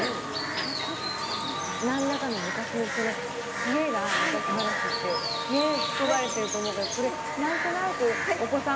何らかの昔の人の知恵が昔話って含まれてると思うからこれ何となくお子さんもね